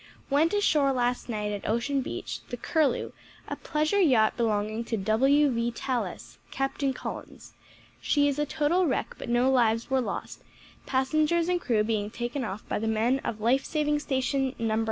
"Went ashore last night at Ocean Beach, the Curlew, a pleasure yacht belonging to W. V. Tallis; Captain Collins. She is a total wreck, but no lives were lost, passengers and crew being taken off by the men of Life Saving Station No.